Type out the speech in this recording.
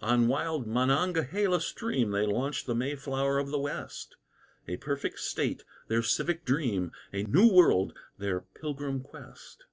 On wild Monongahela stream They launched the Mayflower of the West, A perfect State their civic dream, A new New World their pilgrim quest.